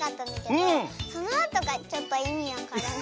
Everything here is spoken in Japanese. そのあとがちょっといみわからなかった。